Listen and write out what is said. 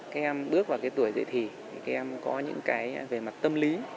các em bước vào cái tuổi dậy thì thì các em có những cái về mặt tâm lý